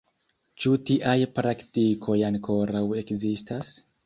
Ĉu tiaj praktikoj ankoraŭ ekzistas?